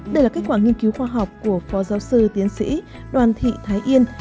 đây là kết quả nghiên cứu khoa học của phó giáo sư tiến sĩ đoàn thị thái yên